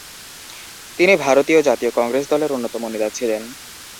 তিনি ভারতীয় জাতীয় কংগ্রেস দলের অন্যতম নেতা ছিলেন।